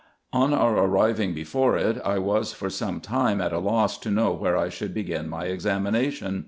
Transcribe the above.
On our arriving before it, I was for some time at a loss to know where I should begin my examination.